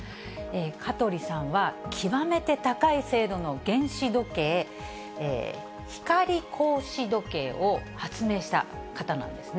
香取さんは極めて高い精度の原子時計、光格子時計を発明した方なんですね。